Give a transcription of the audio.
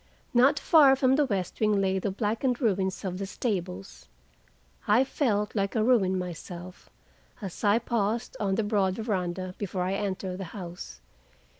Not far from the west wing lay the blackened ruins of the stables. I felt like a ruin myself, as I paused on the broad veranda before I entered the house.